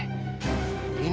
tidak mungkin ya